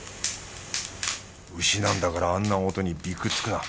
牛なんだからあんな音にビクつくな。